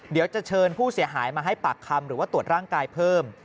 เดี๋ยวจะเชิญผู้เสียหายมาให้ปากคำหรือว่าตรวจร่างกายเพิ่ม